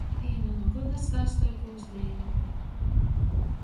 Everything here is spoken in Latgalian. Vīna nu goda skaistuokūs dīnu.